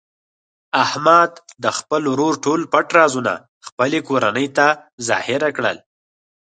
احمد د خپل ورور ټول پټ رازونه خپلې کورنۍ ته ظاهره کړل.